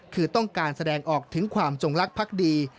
คือต้องการแสดงออกถึงความจงลักษ์ดี